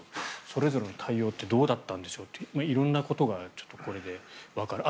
それぞれの対応ってどうだったんでしょうって色んなことが、これでわかる。